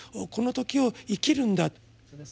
この時を生きるんだと。